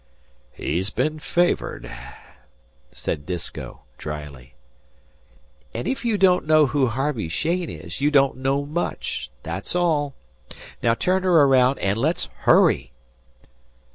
"He's bin favoured," said Disko, dryly. "And if you don't know who Harvey Cheyne is, you don't know much that's all. Now turn her around and let's hurry."